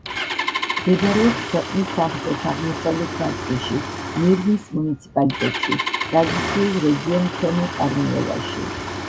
მდებარეობს ქვეყნის სამხრეთ-აღმოსავლეთ ნაწილში მირნის მუნიციპალიტეტში, ტრადიციულ რეგიონ ქვემო კარნიოლაში.